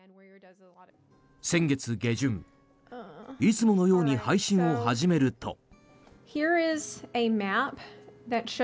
先月下旬、いつものように配信を始めると。